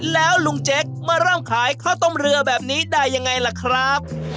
แล้วลุงเจ๊กมาเริ่มขายข้าวต้มเรือแบบนี้ได้ยังไงล่ะครับ